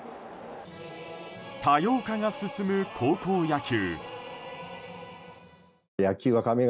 多様化が進む高校野球。